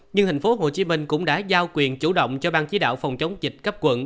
nhưng thành phố hồ chí minh cũng đã giao quyền chủ động cho ban chí đạo phòng chống dịch cấp quận